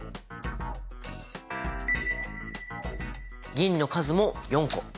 銀の数も４個。